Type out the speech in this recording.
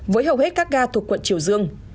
với hầu hết các ga thuộc quận triều dương